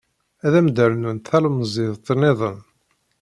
Ad am-d-rnunt talemmiẓt niḍen.